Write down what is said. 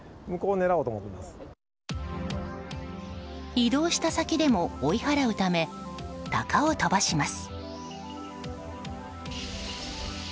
移動した先でも追い払うため鷹を飛ばします。